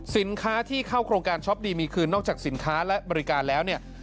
สินค้าที่เข้าโครงการช็อปดีมีคืนนอกจากสินค้าและบริการแล้วเนี่ย